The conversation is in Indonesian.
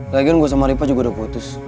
lagian gua sama riva juga udah putus